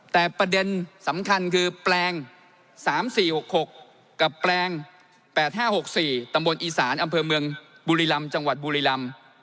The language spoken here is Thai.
แต่ประเด็นสำคัญคือแปลง๓๔๖๖กับแปลง๘๕๖๔ตำบลอีสานอำเภอเมืองบุรีรำจังหวัดบุรีรำ